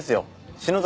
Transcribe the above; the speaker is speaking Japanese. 篠崎